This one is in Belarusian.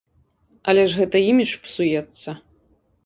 Але ж гэта імідж псуецца.